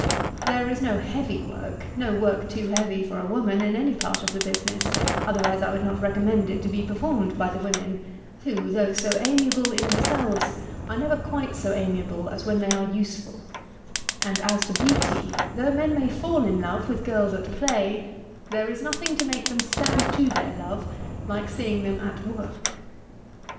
There is no heavy work, no work too heavy for a woman in any part of the business, otherwise I would not recommend it to be performed by the women, who, though so amiable in themselves, are never quite so amiable as when they are useful; and as to beauty, though men may fall in love with girls at play, there is nothing to make them stand to their love like seeing them at work.